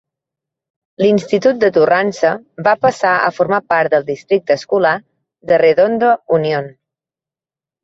L'institut de Torrance va passar a formar part del districte escolar de Redondo Union.